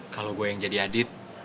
kalau gue yang jadi adit